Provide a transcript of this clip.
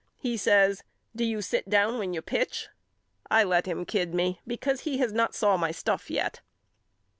He says Do you sit down when you pitch? I let him kid me because he has not saw my stuff yet.